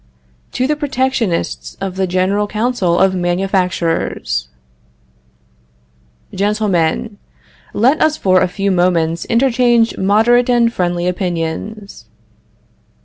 ] To the Protectionists of the General Council of Manufactures: GENTLEMEN Let us for a few moments interchange moderate and friendly opinions.